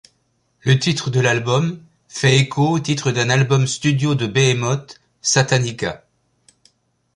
Le titre de l'album fait écho au titre d'un album studio de Behemoth, Satanica.